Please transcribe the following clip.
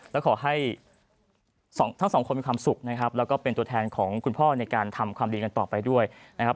แล้วขอให้ทั้งสองคนมีความสุขนะครับแล้วก็เป็นตัวแทนของคุณพ่อในการทำความดีกันต่อไปด้วยนะครับ